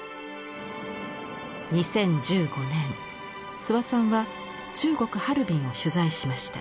２０１５年諏訪さんは中国・ハルビンを取材しました。